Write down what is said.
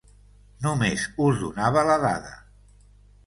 Només us donava la dada.